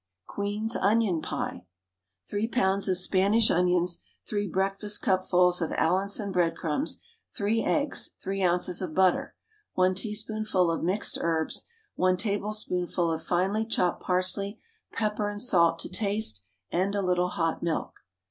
QUEEN'S ONION PIE. 3 lbs of Spanish onions, 3 breakfastcupfuls of Allinson breadcrumbs, 3 eggs, 3 oz. of butter, 1 teaspoonful of mixed herbs, 1 tablespoonful of finely chopped parsley, pepper and salt to taste, and a little hot milk.